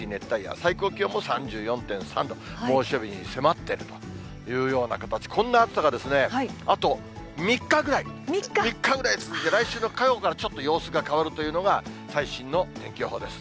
最高気温も３４．３度、猛暑日に迫っているというような形、こんな暑さが、あと３日ぐらい、３日ぐらい続いて、来週の火曜からちょっと様子が変わるというのが、最新の天気予報です。